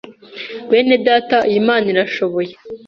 bene data iyi Mana irashoboye